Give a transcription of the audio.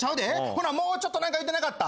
ほなもうちょっと何か言うてなかった？